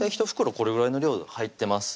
これぐらいの量入ってます